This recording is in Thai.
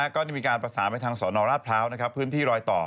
ก็ได้มีการประสานไปทางสนราชพร้าวพื้นที่รอยต่อ